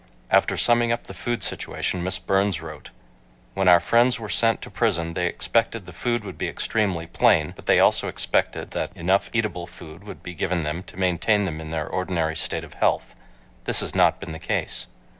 After summing up the food situation Miss Burns wrote: When our friends were sent to prison, they expected the food would be extremely plain, but they also expected that .. enough eatable food would be given them to maintain them in their ordinary state of health. This has not been the case.